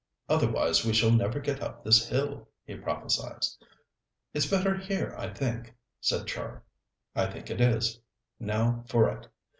"Otherwise we shall never get up this hill," he prophesied. "It's better here, I think," said Char. "I think it is. Now for it."